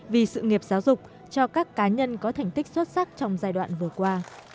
vì sự nghiệp giáo dục cho các cá nhân có thành tích xuất sắc trong giai đoạn vừa qua